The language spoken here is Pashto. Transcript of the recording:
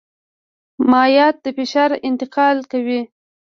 مایعات د فشار انتقال کوي.